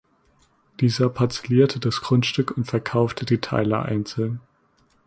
Dieser parzellierte das Grundstück und verkaufte die Teile einzeln.